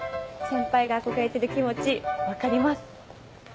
先輩が憧れてる気持ち分かります。